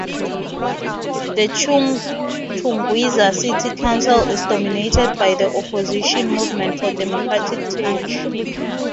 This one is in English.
The Chitungwiza City Council is dominated by the opposition Movement for Democratic Change.